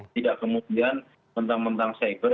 tidak kemudian mentang mentang cyber